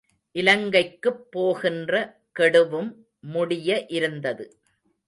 இலங்கைக்குப் போகின்ற கெடுவும் முடிய இருந்தது.